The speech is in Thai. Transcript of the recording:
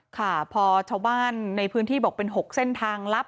ค่ะพอชาวบ้านในพื้นที่บอกเป็น๖เส้นทางลับ